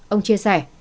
ông chia sẻ